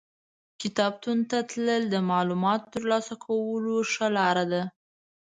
کتابتون ته تلل د معلوماتو ترلاسه کولو ښه لار ده.